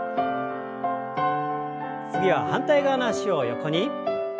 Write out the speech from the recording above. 次は反対側の脚を横に。